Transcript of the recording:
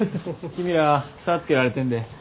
君ら差つけられてんで。